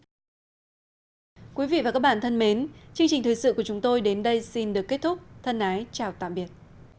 cơ quan y tế macau cho biết qua các đợt thử nghiệm mẫu máu có một trường hợp dương tính đối với virus cúm h bảy n chín